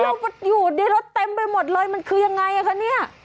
ว่าเราอยู่เดี๋ยวรถเต็มไปหมดเลยมันคือยังไงอ่ะคะเนี่ย